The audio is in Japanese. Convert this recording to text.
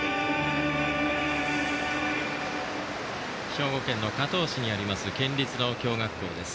兵庫県の加東市にあります県立の共学校です。